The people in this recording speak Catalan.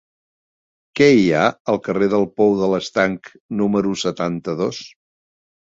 Què hi ha al carrer del Pou de l'Estanc número setanta-dos?